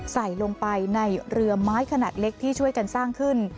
ใส่ลงไปในเรือไม้ขนาดเล็กที่ช่วยกันสร้างขึ้น